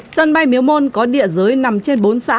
sân bay miếu môn có địa giới nằm trên bốn xã